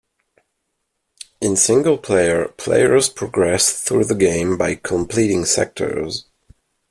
In singleplayer, players progress through the game by completing sectors.